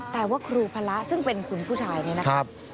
แต่ว่าครูพระซึ่งเป็นคุณผู้ชายนี้นะครับ